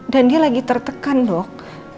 dan dia lagi tertekan dok